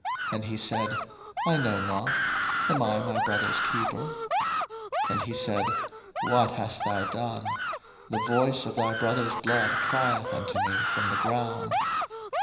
And he said, I know not: Am I my brother's keeper? 01:004:010 And he said, What hast thou done? the voice of thy brother's blood crieth unto me from the ground.